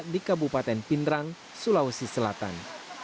di kabupaten pindrang sulawesi selatan